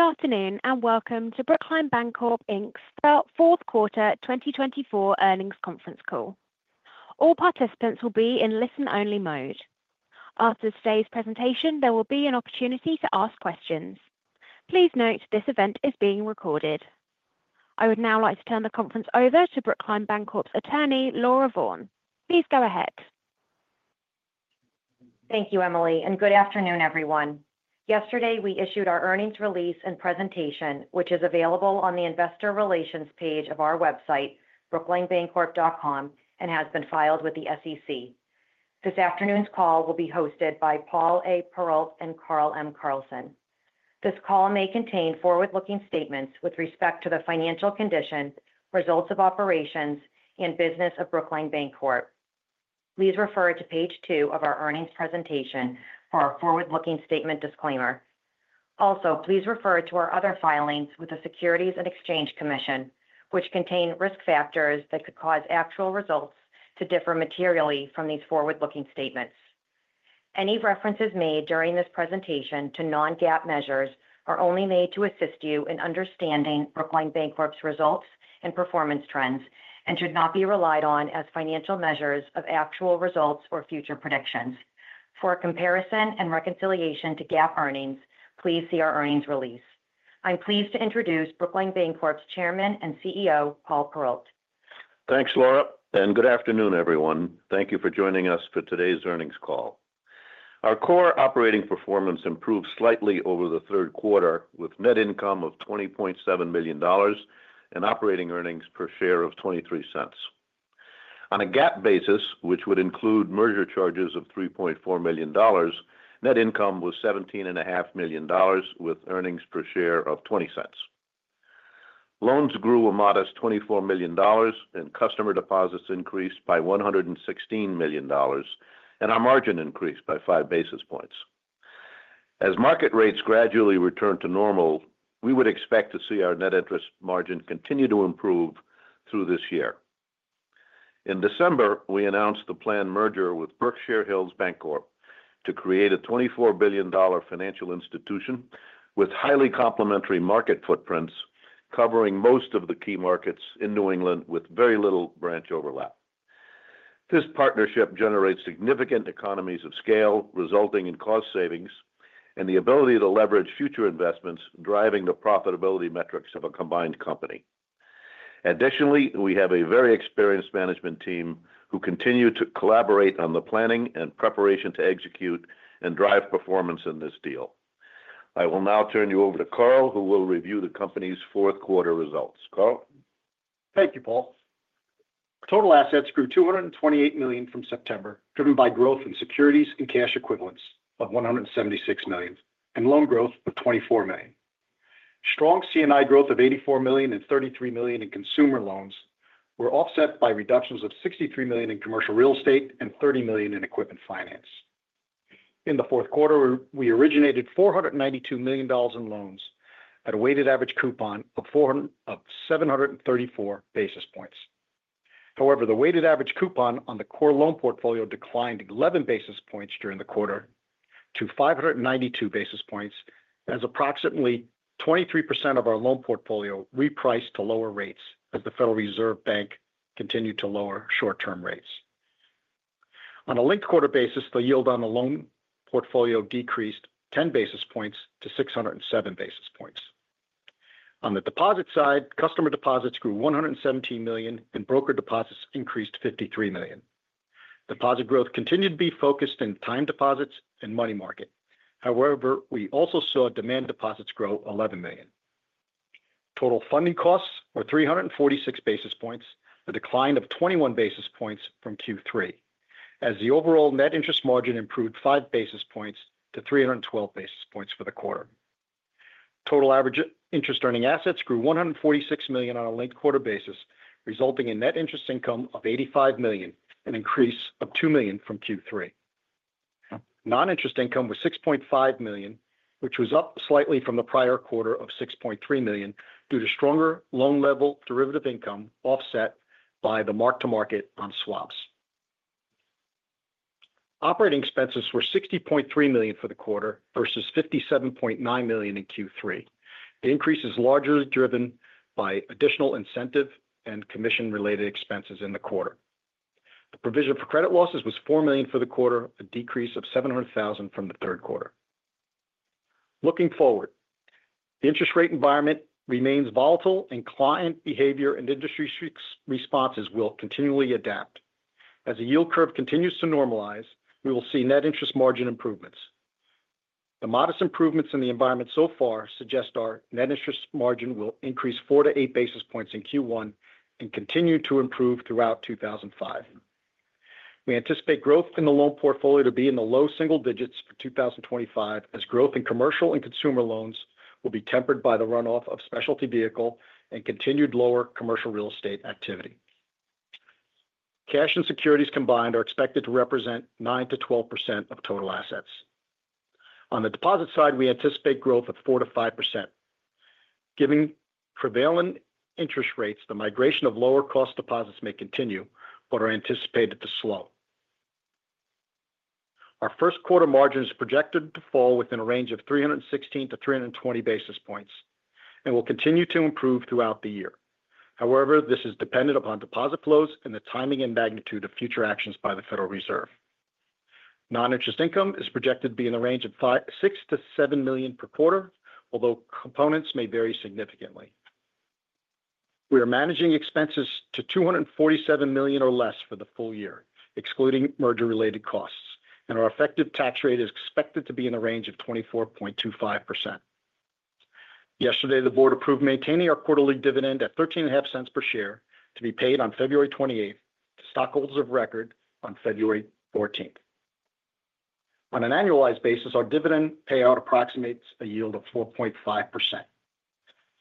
Good afternoon and welcome to Brookline Bancorp Inc fourth quarter 2024 earnings conference call. All participants will be in listen-only mode. After today's presentation, there will be an opportunity to ask questions. Please note this event is being recorded. I would now like to turn the conference over to Brookline Bancorp's attorney, Laura Vaughn. Please go ahead. Thank you, Emily, and good afternoon, everyone. Yesterday, we issued our earnings release and presentation, which is available on the Investor Relations page of our website, brooklinebancorp.com, and has been filed with the SEC. This afternoon's call will be hosted by Paul A. Perrault and Carl M. Carlson. This call may contain forward-looking statements with respect to the financial condition, results of operations, and business of Brookline Bancorp. Please refer to page two of our earnings presentation for our forward-looking statement disclaimer. Also, please refer to our other filings with the Securities and Exchange Commission, which contain risk factors that could cause actual results to differ materially from these forward-looking statements. Any references made during this presentation to non-GAAP measures are only made to assist you in understanding Brookline Bancorp's results and performance trends and should not be relied on as financial measures of actual results or future predictions. For comparison and reconciliation to GAAP earnings, please see our earnings release. I'm pleased to introduce Brookline Bancorp's Chairman and CEO, Paul Perrault. Thanks, Laura, and good afternoon, everyone. Thank you for joining us for today's earnings call. Our core operating performance improved slightly over the third quarter, with net income of $20.7 million and operating earnings per share of $0.23. On a GAAP basis, which would include merger charges of $3.4 million, net income was $17.5 million with earnings per share of $0.20. Loans grew a modest $24 million, and customer deposits increased by $116 million, and our margin increased by five basis points. As market rates gradually return to normal, we would expect to see our net interest margin continue to improve through this year. In December, we announced the planned merger with Berkshire Hills Bancorp to create a $24 billion financial institution with highly complementary market footprints covering most of the key markets in New England with very little branch overlap. This partnership generates significant economies of scale, resulting in cost savings and the ability to leverage future investments, driving the profitability metrics of a combined company. Additionally, we have a very experienced management team who continue to collaborate on the planning and preparation to execute and drive performance in this deal. I will now turn you over to Carl, who will review the company's fourth quarter results. Carl? Thank you, Paul. Total assets grew $228 million from September, driven by growth in securities and cash equivalents of $176 million and loan growth of $24 million. Strong C&I growth of $84 million and $33 million in consumer loans were offset by reductions of $63 million in commercial real estate and $30 million in equipment finance. In the fourth quarter, we originated $492 million in loans at a weighted average coupon of 734 basis points. However, the weighted average coupon on the core loan portfolio declined 11 basis points during the quarter to 592 basis points, as approximately 23% of our loan portfolio repriced to lower rates as the Federal Reserve Bank continued to lower short-term rates. On a linked quarter basis, the yield on the loan portfolio decreased 10 basis points to 607 basis points. On the deposit side, customer deposits grew $117 million and broker deposits increased $53 million. Deposit growth continued to be focused in time deposits and money market. However, we also saw demand deposits grow $11 million. Total funding costs were 346 basis points, a decline of 21 basis points from Q3, as the overall net interest margin improved five basis points to 312 basis points for the quarter. Total average interest-earning assets grew $146 million on a linked quarter basis, resulting in net interest income of $85 million, an increase of $2 million from Q3. Non-interest income was $6.5 million, which was up slightly from the prior quarter of $6.3 million due to stronger loan-level derivative income offset by the mark-to-market on swaps. Operating expenses were $60.3 million for the quarter versus $57.9 million in Q3. The increase is largely driven by additional incentive and commission-related expenses in the quarter. The provision for credit losses was $4 million for the quarter, a decrease of $700,000 from the third quarter. Looking forward, the interest rate environment remains volatile, and client behavior and industry responses will continually adapt. As the yield curve continues to normalize, we will see net interest margin improvements. The modest improvements in the environment so far suggest our net interest margin will increase four to eight basis points in Q1 and continue to improve throughout 2025. We anticipate growth in the loan portfolio to be in the low single digits for 2025, as growth in commercial and consumer loans will be tempered by the runoff of specialty vehicle and continued lower commercial real estate activity. Cash and securities combined are expected to represent 9%-12% of total assets. On the deposit side, we anticipate growth of 4%-5%. Given prevailing interest rates, the migration of lower-cost deposits may continue, but are anticipated to slow. Our first quarter margin is projected to fall within a range of 316-320 basis points and will continue to improve throughout the year. However, this is dependent upon deposit flows and the timing and magnitude of future actions by the Federal Reserve. Non-interest income is projected to be in the range of $6-$7 million per quarter, although components may vary significantly. We are managing expenses to $247 million or less for the full year, excluding merger-related costs, and our effective tax rate is expected to be in the range of 24.25%. Yesterday, the board approved maintaining our quarterly dividend at $0.13 per share to be paid on February 28th to stockholders of record on February 14th. On an annualized basis, our dividend payout approximates a yield of 4.5%.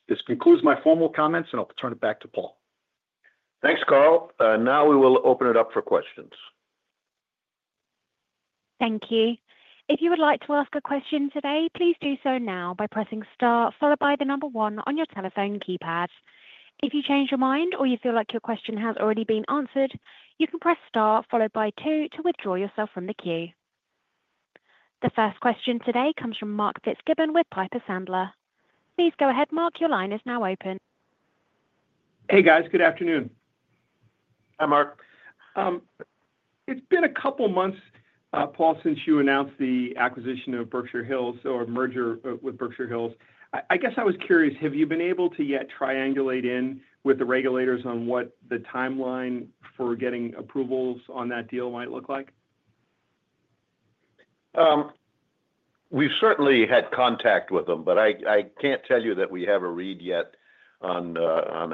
This concludes my formal comments, and I'll turn it back to Paul. Thanks, Carl. Now we will open it up for questions. Thank you. If you would like to ask a question today, please do so now by pressing star, followed by the number one on your telephone keypad. If you change your mind or you feel like your question has already been answered, you can press star, followed by two to withdraw yourself from the queue. The first question today comes from Mark Fitzgibbon with Piper Sandler. Please go ahead, Mark. Your line is now open. Hey, guys. Good afternoon. Hi, Mark. It's been a couple of months, Paul, since you announced the acquisition of Berkshire Hills, or merger with Berkshire Hills. I guess I was curious, have you been able to yet triangulate in with the regulators on what the timeline for getting approvals on that deal might look like? We've certainly had contact with them, but I can't tell you that we have a read yet on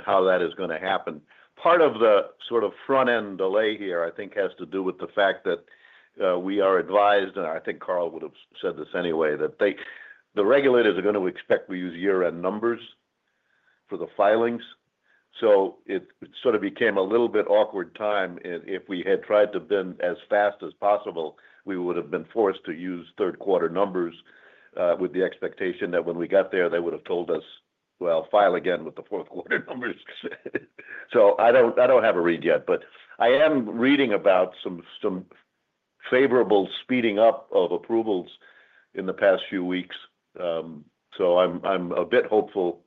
how that is going to happen. Part of the sort of front-end delay here, I think, has to do with the fact that we are advised, and I think Carl would have said this anyway, that the regulators are going to expect we use year-end numbers for the filings. So it sort of became a little bit awkward time. If we had tried to bend as fast as possible, we would have been forced to use third-quarter numbers with the expectation that when we got there, they would have told us, "Well, file again with the fourth-quarter numbers." So I don't have a read yet, but I am reading about some favorable speeding up of approvals in the past few weeks. I'm a bit hopeful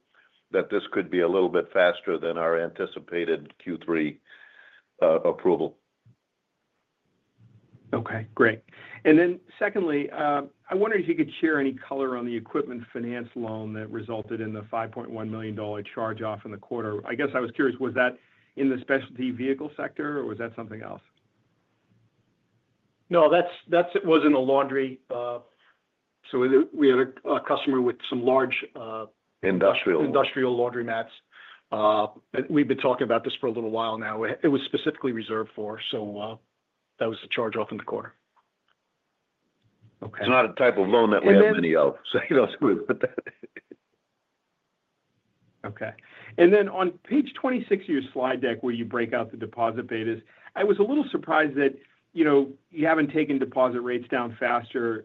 that this could be a little bit faster than our anticipated Q3 approval. Okay. Great. And then secondly, I wonder if you could share any color on the equipment finance loan that resulted in the $5.1 million charge-off in the quarter. I guess I was curious, was that in the specialty vehicle sector, or was that something else? No, that was in the laundry. So we had a customer with some large. Industrial. Industrial laundromats. We've been talking about this for a little while now. It was specifically reserved for. So that was the charge-off in the quarter. It's not a type of loan that we have many of, so you don't have to worry about that. Okay. And then on page 26 of your slide deck, where you break out the deposit betas, I was a little surprised that you haven't taken deposit rates down faster,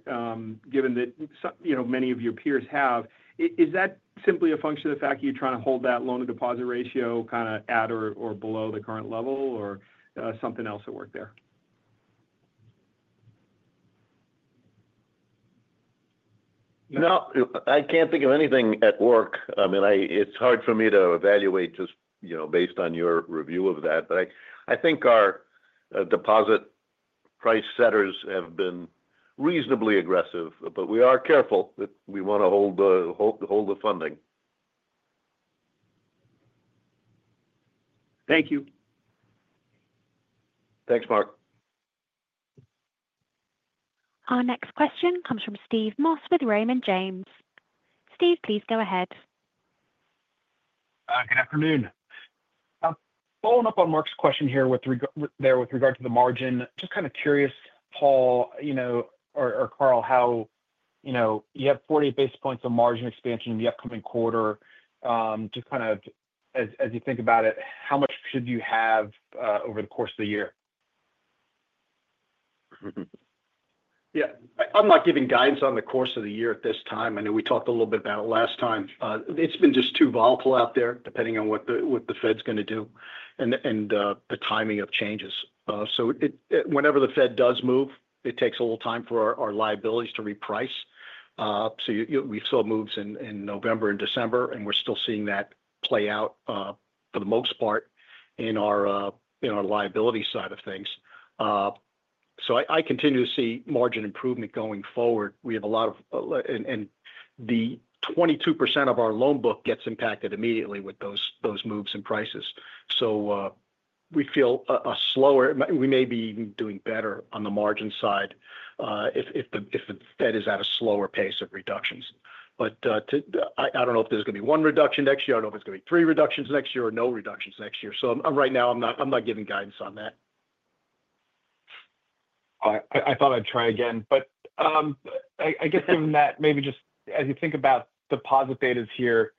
given that many of your peers have. Is that simply a function of the fact that you're trying to hold that loan-to-deposit ratio kind of at or below the current level, or something else at work there? No, I can't think of anything at work. I mean, it's hard for me to evaluate just based on your review of that, but I think our deposit price setters have been reasonably aggressive, but we are careful that we want to hold the funding. Thank you. Thanks, Mark. Our next question comes from Steve Moss with Raymond James. Steve, please go ahead. Good afternoon. I'm following up on Mark's question there with regard to the margin. Just kind of curious, Paul or Carl, how you have 40 basis points of margin expansion in the upcoming quarter. Just kind of as you think about it, how much should you have over the course of the year? Yeah. I'm not giving guidance on the course of the year at this time. I know we talked a little bit about it last time. It's been just too volatile out there, depending on what the Fed's going to do and the timing of changes. So whenever the Fed does move, it takes a little time for our liabilities to reprice. So we saw moves in November and December, and we're still seeing that play out for the most part in our liability side of things. So I continue to see margin improvement going forward. We have the 22% of our loan book gets impacted immediately with those moves in prices. So we feel we may be even doing better on the margin side if the Fed is at a slower pace of reductions. But I don't know if there's going to be one reduction next year. I don't know if there's going to be three reductions next year or no reductions next year. So right now, I'm not giving guidance on that. I thought I'd try again, but I guess given that, maybe just as you think about deposit betas here,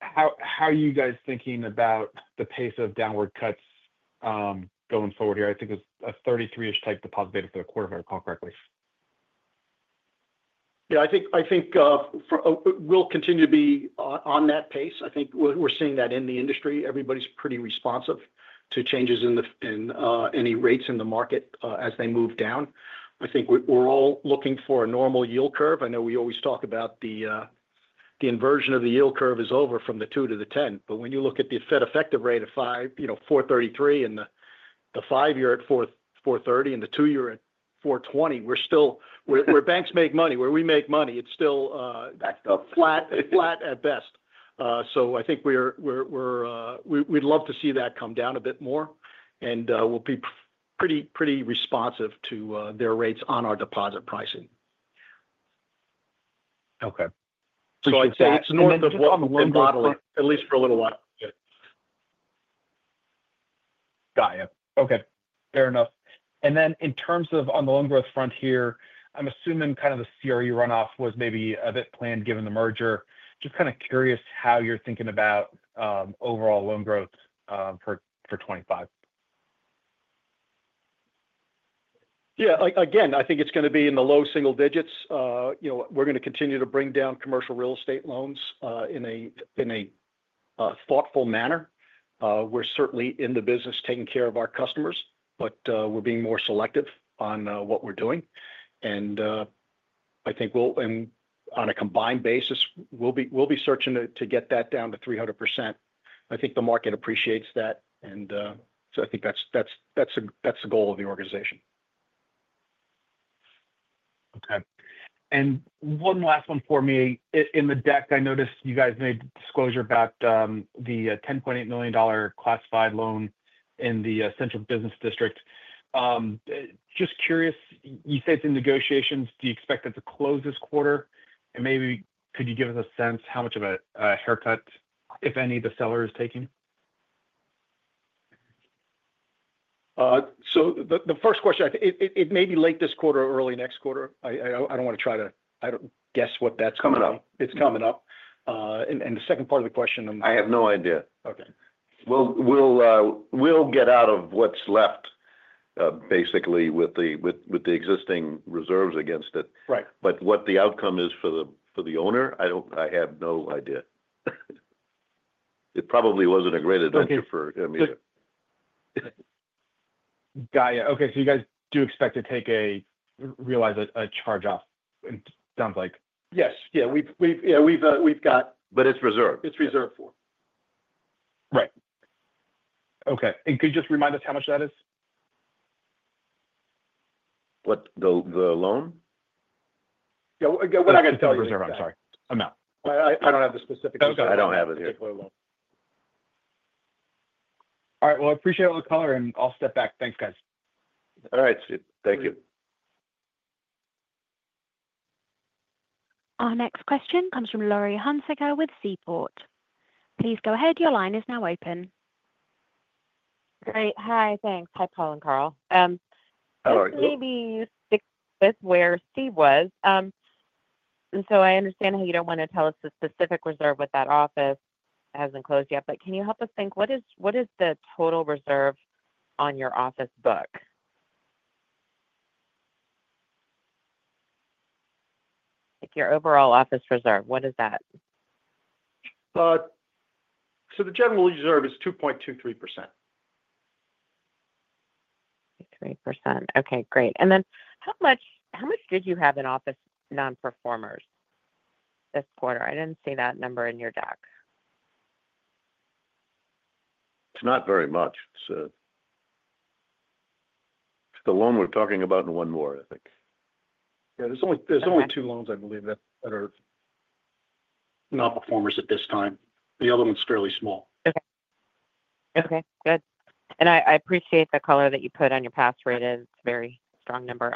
how are you guys thinking about the pace of downward cuts going forward here? I think it was a 33-ish type deposit beta for the quarter, if I recall correctly. Yeah. I think we'll continue to be on that pace. I think we're seeing that in the industry. Everybody's pretty responsive to changes in any rates in the market as they move down. I think we're all looking for a normal yield curve. I know we always talk about the inversion of the yield curve is over from the 2 to the 10, but when you look at the Fed effective rate at 433 and the five-year at 430 and the two-year at 420, where banks make money, where we make money, it's still. Backed up. Flat at best. So I think we'd love to see that come down a bit more, and we'll be pretty responsive to their rates on our deposit pricing. Okay. So I'd say it's north of what the loan model is. At least for a little while. Got it. Okay. Fair enough. And then in terms of on the loan growth front here, I'm assuming kind of the CRE runoff was maybe a bit planned given the merger. Just kind of curious how you're thinking about overall loan growth for 2025. Yeah. Again, I think it's going to be in the low single digits. We're going to continue to bring down commercial real estate loans in a thoughtful manner. We're certainly in the business taking care of our customers, but we're being more selective on what we're doing. And I think on a combined basis, we'll be searching to get that down to 300%. I think the market appreciates that, and so I think that's the goal of the organization. Okay. And one last one for me. In the deck, I noticed you guys made a disclosure about the $10.8 million classified loan in the central business district. Just curious, you say it's in negotiations. Do you expect it to close this quarter? And maybe could you give us a sense how much of a haircut, if any, the seller is taking? So the first question, it may be late this quarter or early next quarter. I don't want to try to guess what that's going to be. It's coming up. It's coming up. The second part of the question. I have no idea. Okay. We'll get out of what's left, basically, with the existing reserves against it. But what the outcome is for the owner, I have no idea. It probably wasn't a great adventure for them either. Got it. Okay. So you guys do expect to realize a charge-off, it sounds like. Yes. Yeah. Yeah. We've got. But it's reserved. It's reserved for. Right. Okay. And could you just remind us how much that is? What? The loan? Yeah. What I'm going to tell you. The reserve, I'm sorry. I'm out. I don't have the specifics. I don't have it here. Particular loan. All right. Well, I appreciate all the color, and I'll step back. Thanks, guys. All right. Thank you. Our next question comes from Laurie Hunsicker with Seaport. Please go ahead. Your line is now open. Great. Hi. Thanks. Hi, Paul and Carl. Maybe you stick with where Steve was. And so I understand how you don't want to tell us the specific reserve with that office hasn't closed yet, but can you help us think what is the total reserve on your office book? Your overall office reserve, what is that? So the general reserve is 2.23%. 2.3%. Okay. Great. And then how much did you have in office non-performers this quarter? I didn't see that number in your deck. It's not very much. It's the loan we're talking about and one more, I think. Yeah. There's only two loans, I believe, that are non-performers at this time. The other one's fairly small. Okay. Good. And I appreciate the color that you put on your pass rate. It's a very strong number.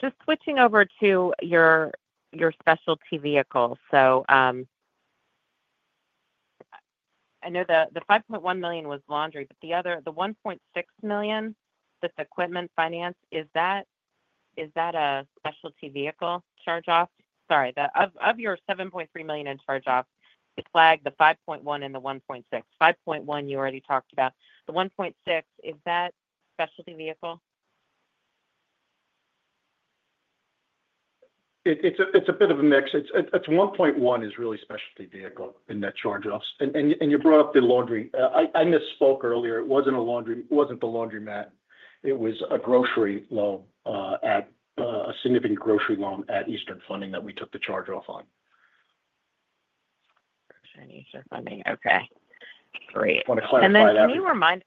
Just switching over to your specialty vehicle. So I know the $5.1 million was laundry, but the $1.6 million that the equipment finance, is that a specialty vehicle charge-off? Sorry. Of your $7.3 million in charge-off, you flagged the 5.1 and the 1.6. 5.1, you already talked about. The 1.6, is that specialty vehicle? It's a bit of a mix. It's $1.1 is really specialty vehicle in that charge-off. And you brought up the laundry. I misspoke earlier. It wasn't the laundromat. It was a grocery loan, a significant grocery loan at Eastern Funding that we took the charge-off on. Eastern Funding. Okay. Great. Want to clarify that? And then, can you remind?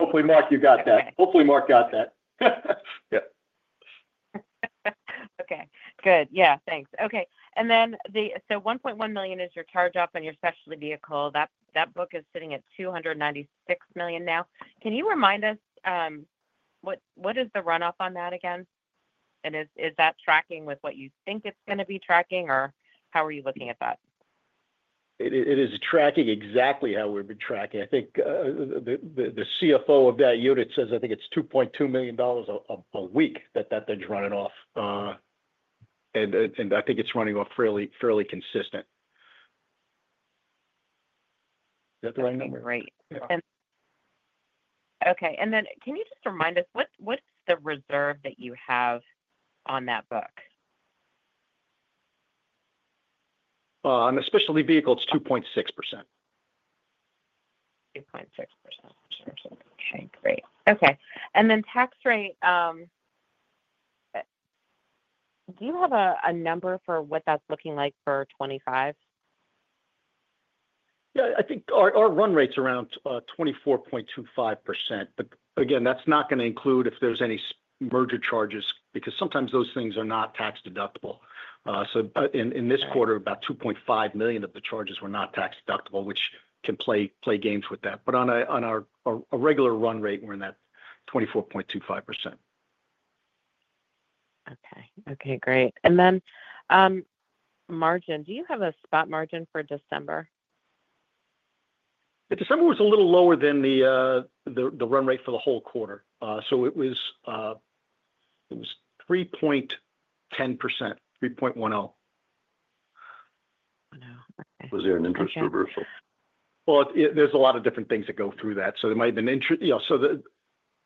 Hopefully, Mark, you got that. Hopefully, Mark got that. Yeah. Okay. Good. Yeah. Thanks. Okay. And then so $1.1 million is your charge-off on your specialty vehicle. That book is sitting at $296 million now. Can you remind us what is the runoff on that again? And is that tracking with what you think it's going to be tracking, or how are you looking at that? It is tracking exactly how we've been tracking. I think the CFO of that unit says, I think it's $2.2 million a week that that thing's running off. And I think it's running off fairly consistent. Is that the right number? Right. Okay. And then can you just remind us, what's the reserve that you have on that book? On the specialty vehicle, it's 2.6%. 2.6%. Okay. Great. Okay. And then tax rate, do you have a number for what that's looking like for 2025? Yeah. I think our run rate's around 24.25%. But again, that's not going to include if there's any merger charges because sometimes those things are not tax-deductible. So in this quarter, about $2.5 million of the charges were not tax-deductible, which can play games with that. But on a regular run rate, we're in that 24.25%. Okay. Great. And then margin, do you have a spot margin for December? December was a little lower than the run rate for the whole quarter. So it was 3.10%, 3.10. Was there an interest reversal? There's a lot of different things that go through that. So there might have been.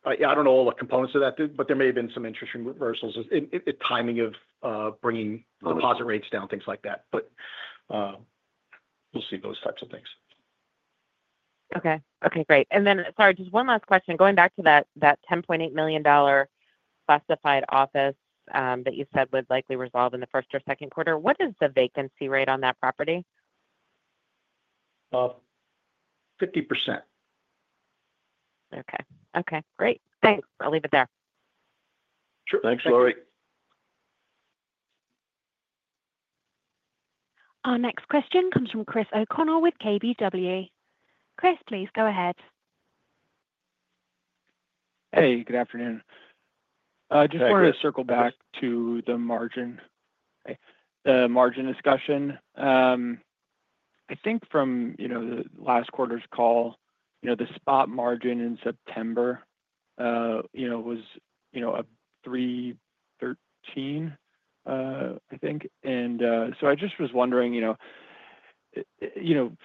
I don't know all the components of that, but there may have been some interesting reversals, timing of bringing deposit rates down, things like that. But we'll see those types of things. Okay. Okay. Great. And then, sorry, just one last question. Going back to that $10.8 million classified office that you said would likely resolve in the first or second quarter, what is the vacancy rate on that property? 50%. Okay. Okay. Great. Thanks. I'll leave it there. Sure. Thanks, Laurie. Our next question comes from Chris O'Connell with KBW. Chris, please go ahead. Hey. Good afternoon. Just wanted to circle back to the margin discussion. I think from the last quarter's call, the spot margin in September was a 313, I think. And so I just was wondering,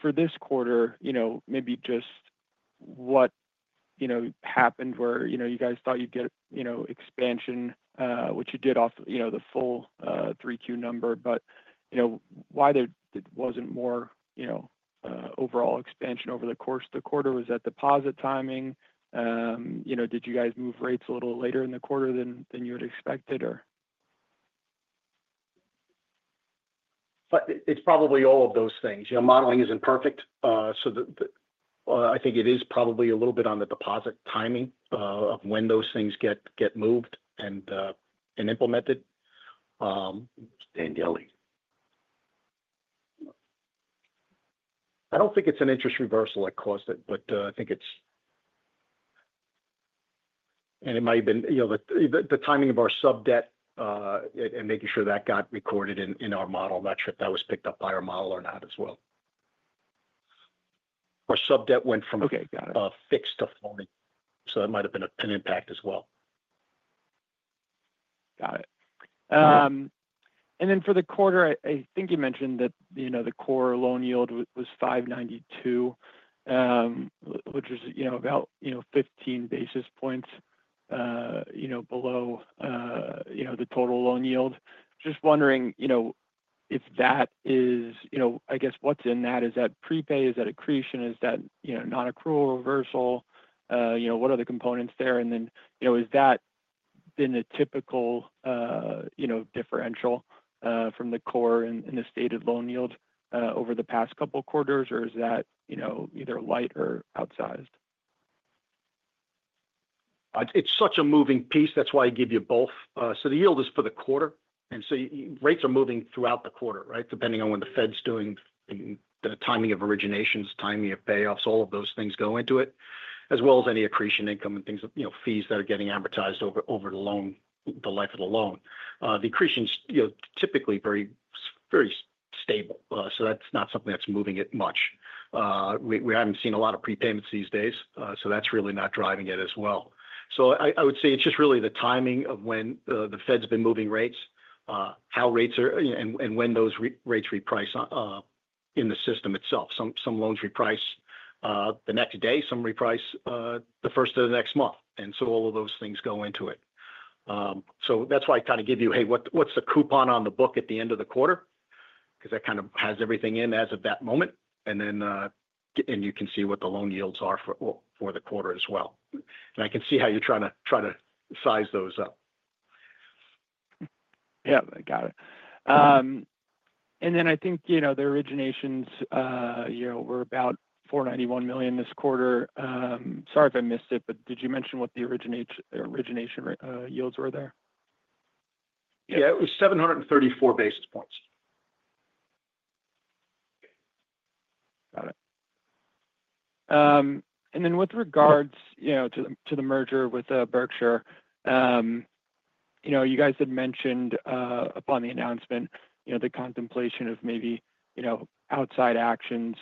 for this quarter, maybe just what happened where you guys thought you'd get expansion, which you did off the full 3Q number, but why there wasn't more overall expansion over the course of the quarter? Was that deposit timing? Did you guys move rates a little later in the quarter than you had expected, or? It's probably all of those things. Modeling isn't perfect. So I think it is probably a little bit on the deposit timing of when those things get moved and implemented. I don't think it's an interest reversal that caused it, but I think it's, and it might have been the timing of our sub-debt and making sure that got recorded in our model. I'm not sure if that was picked up by our model or not as well. Our sub-debt went from. Okay. Got it. Fixed to floating. So that might have been an impact as well. Got it. And then for the quarter, I think you mentioned that the core loan yield was 592, which is about 15 basis points below the total loan yield. Just wondering if that is, I guess, what's in that? Is that prepay? Is that accretion? Is that non-accrual reversal? What are the components there? And then has that been a typical differential from the core and the stated loan yield over the past couple of quarters, or is that either light or outsized? It's such a moving piece. That's why I give you both, so the yield is for the quarter, and so rates are moving throughout the quarter, right, depending on what the Fed's doing, the timing of originations, timing of payoffs, all of those things go into it, as well as any accretion income and things, fees that are getting amortized over the life of the loan. The accretion's typically very stable, so that's not something that's moving it much. We haven't seen a lot of prepayments these days, so that's really not driving it as well. So I would say it's just really the timing of when the Fed's been moving rates, how rates are, and when those rates reprice in the system itself. Some loans reprice the next day. Some reprice the first of the next month, and so all of those things go into it. So that's why I kind of give you, "Hey, what's the coupon on the book at the end of the quarter?" Because that kind of has everything in as of that moment. And then you can see what the loan yields are for the quarter as well. And I can see how you're trying to size those up. Yeah. I got it. And then I think the originations were about $491 million this quarter. Sorry if I missed it, but did you mention what the origination yields were there? Yeah. It was 734 basis points. Got it. And then with regards to the merger with Berkshire, you guys had mentioned upon the announcement the contemplation of maybe outside actions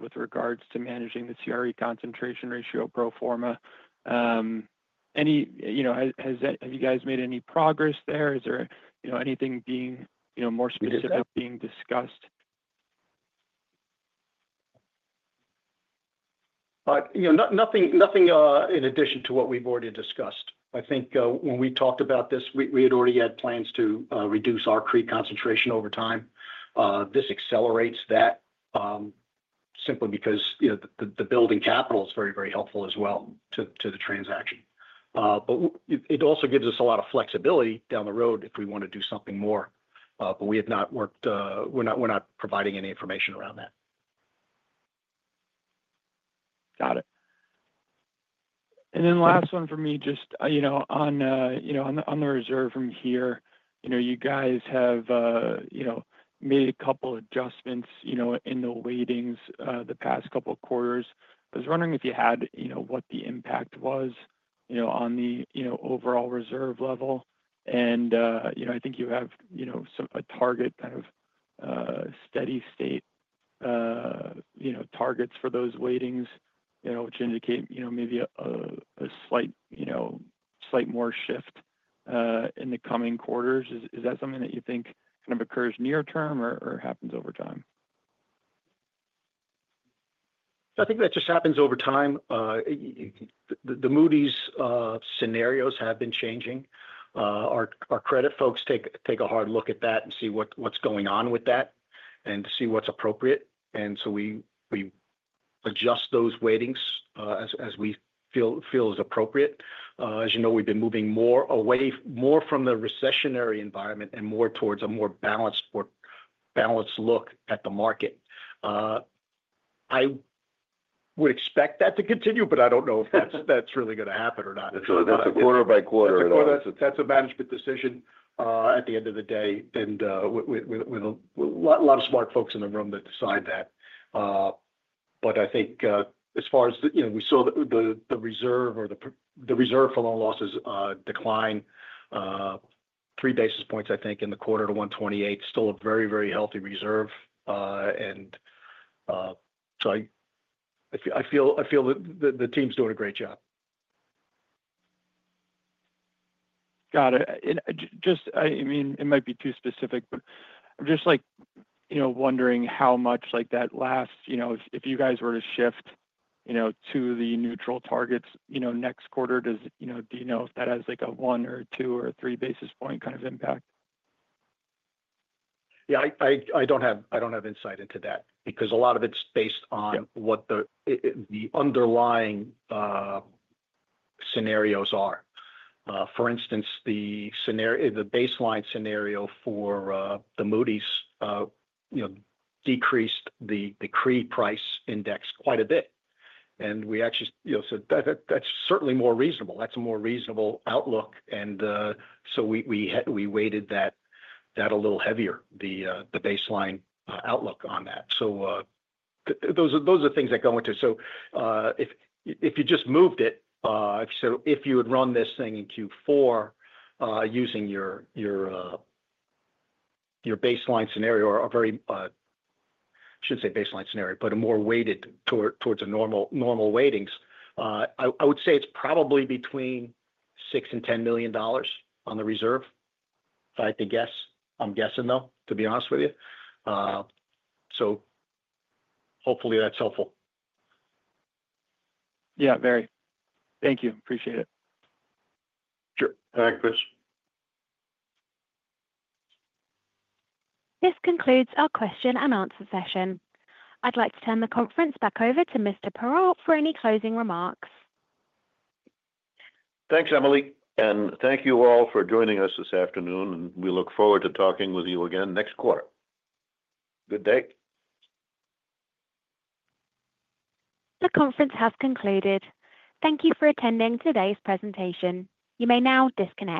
with regards to managing the CRE concentration ratio, pro forma. Have you guys made any progress there? Is there anything being more specific being discussed? Nothing in addition to what we've already discussed. I think when we talked about this, we had already had plans to reduce our CRE concentration over time. This accelerates that simply because the building capital is very, very helpful as well to the transaction. But it also gives us a lot of flexibility down the road if we want to do something more. But we're not providing any information around that. Got it. And then last one for me, just on the reserve from here, you guys have made a couple of adjustments in the weightings the past couple of quarters. I was wondering if you had what the impact was on the overall reserve level? And I think you have a target, kind of steady-state targets for those weightings, which indicate maybe a slight more shift in the coming quarters. Is that something that you think kind of occurs near-term or happens over time? I think that just happens over time. The Moody's scenarios have been changing. Our credit folks take a hard look at that and see what's going on with that and see what's appropriate. And so we adjust those weightings as we feel is appropriate. As you know, we've been moving more away, more from the recessionary environment and more towards a more balanced look at the market. I would expect that to continue, but I don't know if that's really going to happen or not. That's a quarter-by-quarter at all. That's a management decision at the end of the day. And we have a lot of smart folks in the room that decide that. But I think as far as we saw the reserve or the reserve for loan losses decline three basis points, I think, in the quarter to 128, still a very, very healthy reserve. And so I feel that the team's doing a great job. Got it. I mean, it might be too specific, but I'm just wondering how much that last if you guys were to shift to the neutral targets next quarter, do you know if that has a one or two or three basis point kind of impact? Yeah. I don't have insight into that because a lot of it's based on what the underlying scenarios are. For instance, the baseline scenario for the Moody's decreased the CRE price index quite a bit. And we actually said, "That's certainly more reasonable. That's a more reasonable outlook." And so we weighted that a little heavier, the baseline outlook on that. So those are things that go into it. So if you just moved it, if you had run this thing in Q4 using your baseline scenario, or I shouldn't say baseline scenario, but a more weighted towards the normal weightings, I would say it's probably between $6 million and $10 million on the reserve. If I had to guess, I'm guessing though, to be honest with you. So hopefully that's helpful. Yeah. Very. Thank you. Appreciate it. Sure. All right. Chris. This concludes our question and answer session. I'd like to turn the conference back over to Mr. Perrault for any closing remarks. Thanks, Emily. Thank you all for joining us this afternoon. We look forward to talking with you again next quarter. Good day. The conference has concluded. Thank you for attending today's presentation. You may now disconnect.